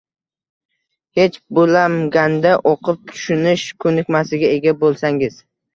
hech bo’lamganda o’qib tushunish ko’nikmasiga ega bo’lsangiz